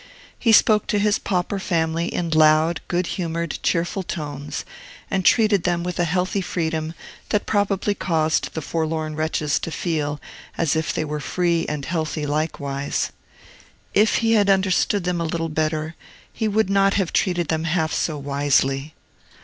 He spoke to his pauper family in loud, good humored, cheerful tones, and treated them with a healthy freedom that probably caused the forlorn wretches to feel as if they were free and healthy likewise. If he had understood them a little better, he would not have treated them half so wisely.